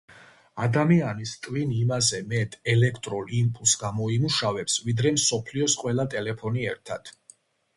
ადამიანის ტვინი იმაზე მეტ ელექტრულ იმპულსს გამოიმუშავებს, ვიდრე მსოფლიოს ყველა ტელეფონი ერთად.